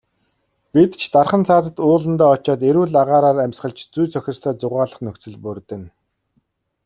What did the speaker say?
Бид ч дархан цаазат ууландаа очоод эрүүл агаараар амьсгалж, зүй зохистой зугаалах нөхцөл бүрдэнэ.